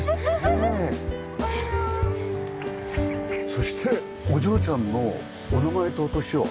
そしてお嬢ちゃんのお名前とお年を。